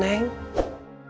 kamu gak tau kan